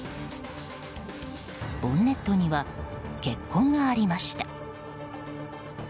ボンネットには血痕がありました。